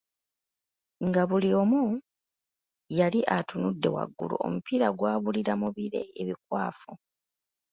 Nga buli omu yali atunudde waggulu, omupiira gwabuulira mu bire ebikwafu.